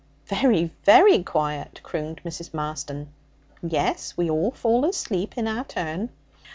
'Very, very quiet,' crooned Mrs. Marston. 'Yes, we all fall asleep in our turn.'